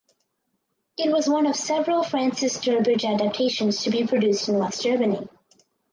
It was one of several Francis Durbridge adaptations to be produced in West Germany.